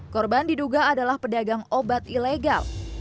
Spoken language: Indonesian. korban diduga adalah pedagang obat ilegal